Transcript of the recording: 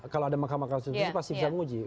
kalau ada mahkamah konstitusi pasti bisa menguji